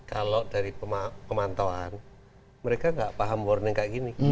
kalau dari pemantauan mereka tidak paham warning seperti ini